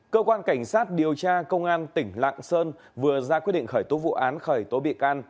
cơ quan cảnh sát điều tra công an tp hcm vừa ra quyết định khởi tố vụ án khởi tố bị can